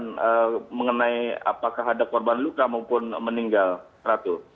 dan mengenai apakah ada korban luka maupun meninggal ratu